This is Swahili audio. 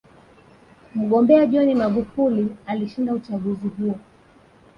mgombea john magufuli alishinda uchaguzi huo